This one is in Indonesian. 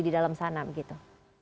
di dalam sana begitu